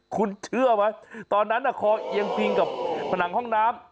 คุณเชื่อไหมตอนนั้นคอเอียงพิงกับผนังห้องน้ำ